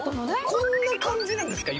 こんな感じなんですか？